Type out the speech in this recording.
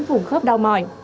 vùng khớp đau mỏi